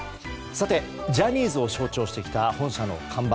ジャニーズを象徴してきた本社の看板。